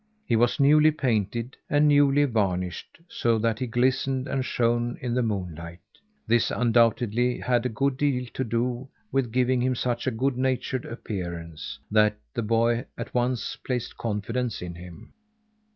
He was newly painted and newly varnished, so that he glistened and shone in the moonlight. This undoubtedly had a good deal to do with giving him such a good natured appearance, that the boy at once placed confidence in him.